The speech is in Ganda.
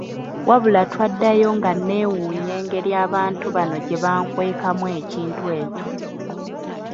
Wabula twaddayo nga neewuunya engeri abantu bano gye bankwekamu ekintu ekyo.